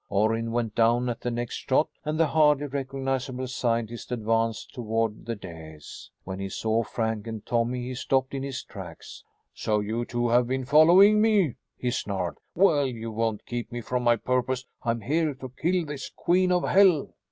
Orrin went down at the next shot and the hardly recognizable scientist advanced toward the dais. When he saw Frank and Tommy he stopped in his tracks. "So you two have been following me!" he snarled. "Well, you won't keep me from my purpose. I'm here to kill this queen of hell!"